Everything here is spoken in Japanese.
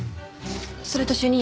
それと主任。